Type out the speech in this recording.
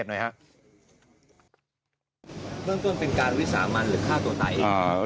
เบื้องต้นเป็นการวิสามันหรือฆ่าตัวตาย